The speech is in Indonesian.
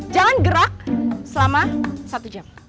jangan gerak selama satu jam